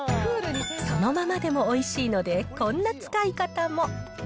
そのままでもおいしいので、こんな使い方も。